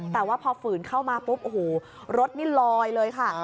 แต่ว่าพอฝืนเข้ามาปุ๊บโอ้โหรถนี่ลอยเลยค่ะ